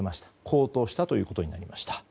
高騰したということになりました。